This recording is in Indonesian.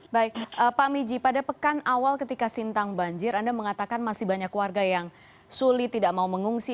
baik pak miji pada pekan awal ketika sintang banjir anda mengatakan masih banyak warga yang sulit tidak mau mengungsi